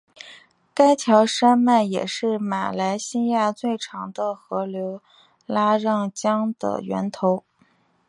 该条山脉也是马来西亚最长的河流拉让江的源头。